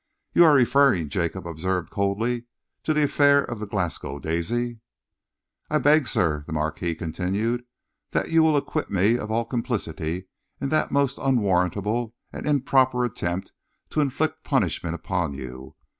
"You are referring," Jacob observed coldly, "to the affair of the Glasgow Daisy?" "I beg, sir," the Marquis continued, "that you will acquit me of all complicity in that most unwarrantable and improper attempt to inflict punishment upon you.